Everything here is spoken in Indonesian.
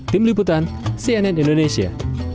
tim liputan cnn indonesia